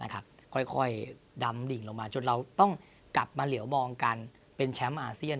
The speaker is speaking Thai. ค่อยดำดิ่งลงมาจนเราต้องกลับมาเหลวมองกันเป็นแชมป์อาเซียน